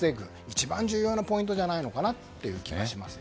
一番重要なポイントじゃないのかなという気がします。